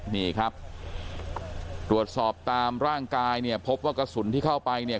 นี่ครับตรวจสอบตามร่างกายเนี่ยพบว่ากระสุนที่เข้าไปเนี่ย